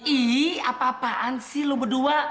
ih apa apaan sih lo berdua